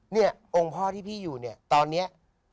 เนี่ยองค์พ่อที่พี่อยู่เนี่ยตอนนี้